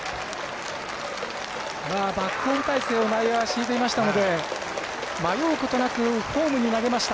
バックホーム態勢を内野は敷いていましたので迷うことなくホームに投げました。